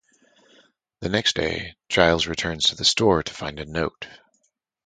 The next day, Giles returns to the store to find a note.